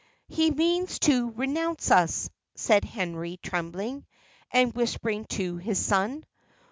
"He means to renounce us," said Henry, trembling, and whispering to his son.